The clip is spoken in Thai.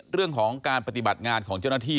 เรื่องของการปฏิบัติงานของเจ้าหน้าที่